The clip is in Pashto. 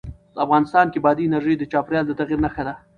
افغانستان کې بادي انرژي د چاپېریال د تغیر نښه ده.